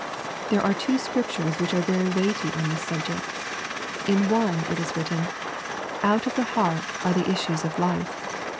There are two Scriptures which are very weighty on this subject. In one it is written, '^ Out of the heart are the issues of life."